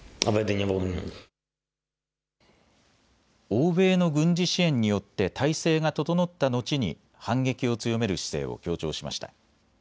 欧米の軍事支援によって態勢が整った後に反撃を強める姿勢を強調しました。